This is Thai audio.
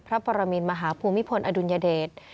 พระประมินมหาภูมิพลอดุญเดช